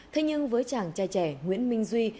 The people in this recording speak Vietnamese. thế nhưng với chàng trai trẻ nguyễn minh duy